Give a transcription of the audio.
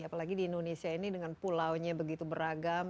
apalagi di indonesia ini dengan pulaunya begitu beragam